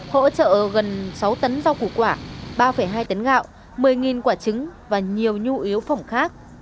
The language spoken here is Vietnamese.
hỗ trợ gần sáu tấn rau củ quả ba hai tấn gạo một mươi quả trứng và nhiều nhu yếu phẩm khác